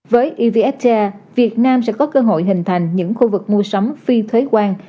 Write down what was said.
với evfta việt nam sẽ có cơ hội hình thành những khu vực mua sắm phi thuế quan